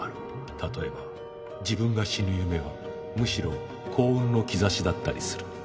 例えば自分が死ぬ夢はむしろ幸運の兆しだったりする。